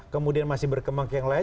kemudian masih berkembang ke yang lain